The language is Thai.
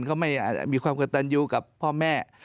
เขาไม่อาจมีความกระตันยูกับพ่อแม่